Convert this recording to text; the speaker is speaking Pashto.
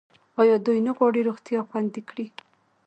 آیا دوی نه غواړي روغتیا خوندي کړي؟